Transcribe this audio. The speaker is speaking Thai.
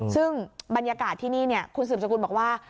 ซึ่งบรรยากาศที่นี่คุณสืบสกุลบอกว่า